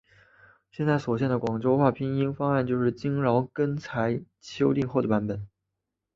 现在所见的广州话拼音方案就是经饶秉才修订后的版本。